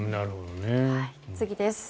次です。